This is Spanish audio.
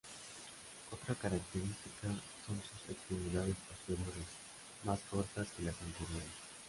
Otra característica son sus extremidades posteriores, más cortas que las anteriores.